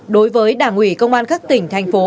đối với đảng ủy công an các tỉnh thành phố